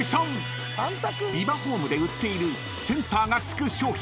［ビバホームで売っているセンターがつく商品］